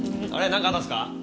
なんかあったんすか？